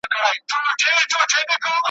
راته وایه ستا به څو وي اولادونه `